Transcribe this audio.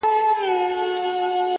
ځوان ولاړ سو-